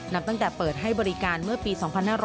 ตั้งแต่เปิดให้บริการเมื่อปี๒๕๕๙